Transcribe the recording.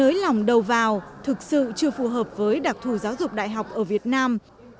nới lỏng đầu vào thực sự chưa phù hợp với đặc thù giáo dục đại học ở việt nam